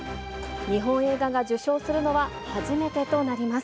日本映画が受賞するのは初めてとなります。